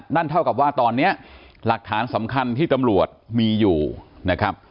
นั่นเท่ากับว่าตอนนี้หลักฐานสำคัญที่ตำรวจมีอยู่นะครับ